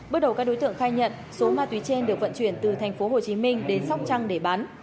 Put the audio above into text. bước đầu các đối tượng khai nhận số ma túy trên được vận chuyển từ thành phố hồ chí minh đến sóc trăng để bán